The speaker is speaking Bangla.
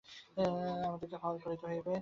আমাদের ফাউল করতে হবে।